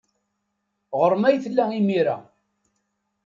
Ɣer-m ay tella imir-a.